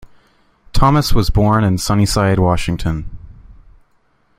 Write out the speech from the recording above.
Thomas was born in Sunnyside, Washington.